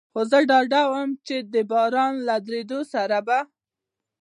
خو زه ډاډه ووم، چې د باران له درېدو سره به.